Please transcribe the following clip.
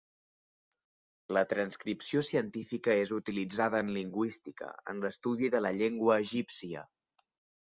La transcripció científica és utilitzada en lingüística, en l'estudi de la llengua egípcia.